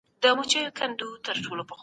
ایډیالوژیک تاریخ انسان له ملي ګټو لیرې کوي.